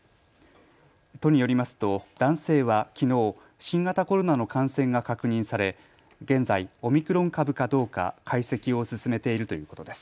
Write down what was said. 都によりますと男性はきのう新型コロナの感染が確認され現在、オミクロン株かどうか解析を進めているということです。